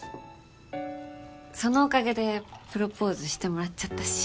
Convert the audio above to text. そのおかげでプロポーズしてもらっちゃったし。